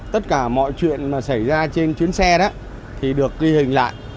tất cả mọi chuyện xảy ra trên chuyến xe đó thì được ghi hình lại